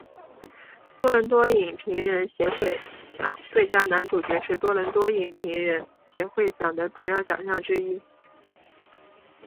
多伦多影评人协会奖最佳男主角是多伦多影评人协会奖的主要奖项之一。